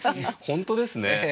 本当ですね。